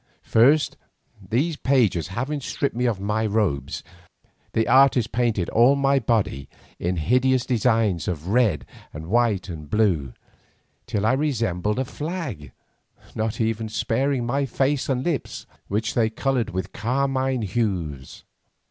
First, these pages having stripped me of my robes, the artists painted all my body in hideous designs of red, and white, and blue, till I resembled a flag, not even sparing my face and lips, which they coloured with carmine hues.